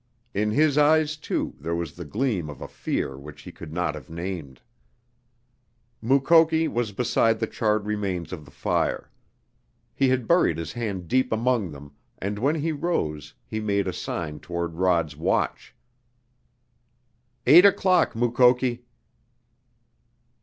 In his eyes, too, there was the gleam of a fear which he could not have named. Mukoki was beside the charred remains of the fire. He had buried his hand deep among them, and when he rose he made a sign toward Rod's watch. "Eight o'clock, Mukoki."